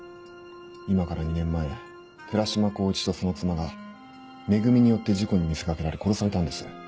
今から２年前寺島光一とその妻が「め組」によって事故に見せかけられ殺されたんです。